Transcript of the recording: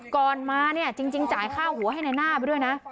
ก่อนมาเนี่ยจริงจ่ายค่าหัวให้ในหน้าไปด้วยนะ